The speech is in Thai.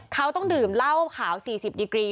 เขาต้องดื่มเหล้าขาว๔๐ดีกรี